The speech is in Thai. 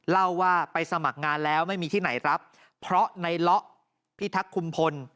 เล่าว่าไปสมัครงานแล้วไม่มีที่ไหนรับเพราะในเลาะพิทักษุมพล